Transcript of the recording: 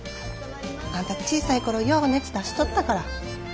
あんた小さい頃よう熱出しとったから。